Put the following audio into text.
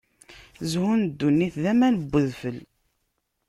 Zzhu n ddunit d aman n udfel.